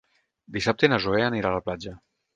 Dissabte na Zoè anirà a la platja.